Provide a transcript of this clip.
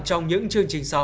trong những chương trình sau